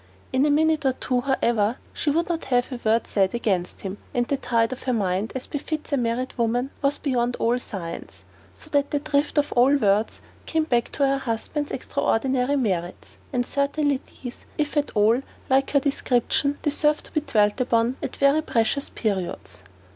In a minute or two, however, she would not have one word said against him, and the tide of her mind (as befits a married woman) was beyond all science; so that the drift of all words came back to her husband's extraordinary merits. And certainly these, if at all like her description, deserved to be dwelt upon at very precious periods.